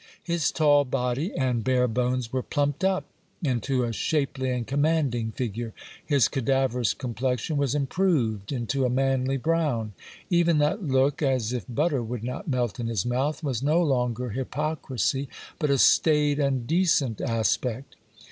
His tall body and bare bones were plumped up into a shapely and commanding figure ; his ca daverous complexion was improved into a manly brown : even that look, as if butter would not melt in his mouth, was no longer hypocrisy, but a staid and decent aspect.